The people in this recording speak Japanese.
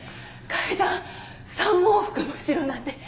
階段３往復もしろなんて。